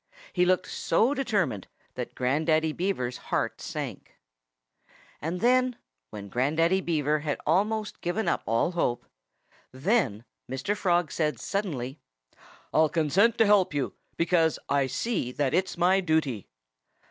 He looked so determined that Grandaddy Beaver's heart sank. And then when Grandaddy Beaver had almost given up all hope then Mr. Frog said suddenly: "I'll consent to help you, because I see that it's my duty."